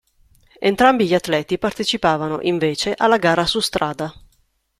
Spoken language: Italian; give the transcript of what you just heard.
Entrambi gli atleti partecipavano invece alla Gara su strada.